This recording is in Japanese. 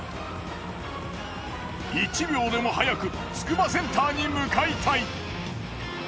１秒でも早くつくばセンターに向かいたい。